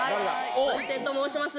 梵天と申します